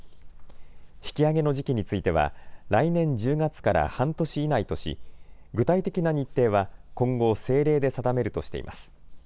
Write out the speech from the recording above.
引き上げの時期については来年１０月から半年以内とし、具体的な日程は今後、政令で定めるとしています。